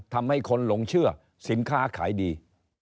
ทำให้คนหลงเชื่อสินค้าขายดี